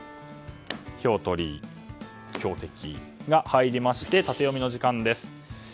票取り、強敵が入りましてタテヨミの時間です。